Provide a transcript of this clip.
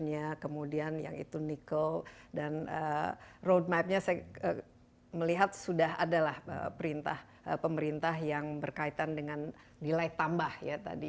nya kemudian yang itu nikel dan road mapnya saya melihat sudah adalah perintah pemerintah yang